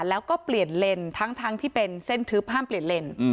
แล้วก็เปลี่ยนเลนทั้งที่เป็นเส้นทึบห้ามเปลี่ยนเลน